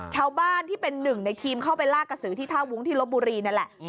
ชาวบ้านที่เป็นหนึ่งในทีมเข้าไปลากกระสือที่ท่าวุ้งที่ลบบุรีนั่นแหละ